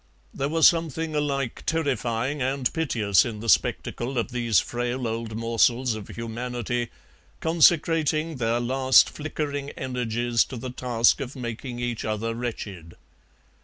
There was something alike terrifying and piteous in the spectacle of these frail old morsels of humanity consecrating their last flickering energies to the task of making each other wretched.